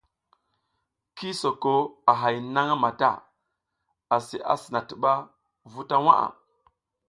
Ki soko a hay nang mata asi asina tiba v uta waʼa.